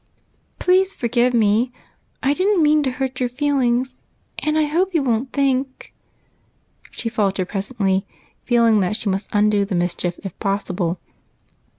" Please, forgive me ; I did n't mean to hurt your feelings, and hope you won't think —" she faltered presently, feeling that she must undo the mischief if possible.